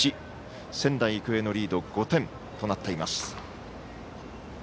仙台育英のリード５点となっています。